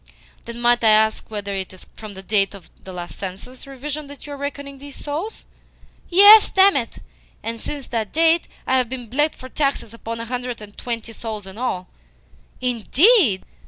"Then might I also ask whether it is from the date of the last census revision that you are reckoning these souls?" "Yes, damn it! And since that date I have been bled for taxes upon a hundred and twenty souls in all." "Indeed?